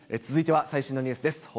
続いては最新のニュースです。